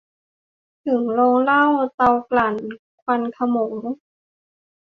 ถึงโรงเหล้า เตากลั่น ควันโขมง